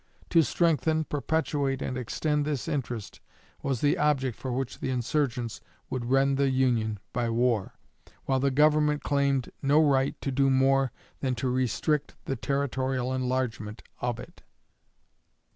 To strengthen, perpetuate, and extend this interest was the object for which the insurgents would rend the Union by war, while the Government claimed no right to do more than to restrict the territorial enlargement of it.